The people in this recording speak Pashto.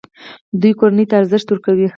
دوی کورنۍ ته ارزښت ورکوي.